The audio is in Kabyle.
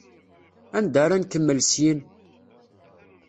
Anda ara nkemmel syin?